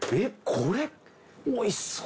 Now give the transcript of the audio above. これおいしそう。